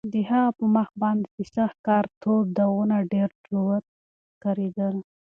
د هغه په مخ باندې د سخت کار تور داغونه ډېر جوت ښکارېدل.